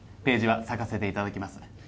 ページは割かせていただきます